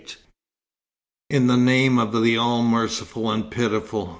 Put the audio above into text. XXVIII "In the name of the All Merciful and Pitiful!